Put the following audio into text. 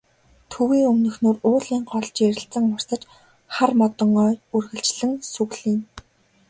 Төвийн өмнөхнүүр уулын гол жирэлзэн урсаж, хар модон ой үргэлжлэн сүглийнэ.